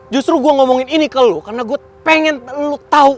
justru gue ngomongin ini ke lo karena gue pengen lo tau